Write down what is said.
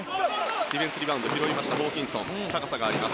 ディフェンスリバウンド拾いました、ホーキンソン高さがあります。